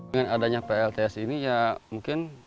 dengan adanya plts ini ya mungkin